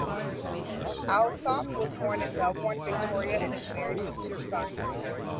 Allsopp was born in Melbourne, Victoria and is married with two sons.